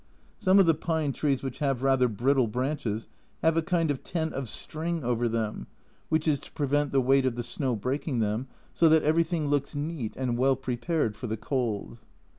Some of the pine trees which have rather brittle branches have a kind of tent of string over them, which is to prevent the weight of the snow breaking them, so that everything looks neat and well prepared for the cold.